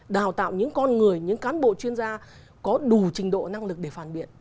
đào tạo những con người những cán bộ chuyên gia có đủ trình độ năng lực để phản biện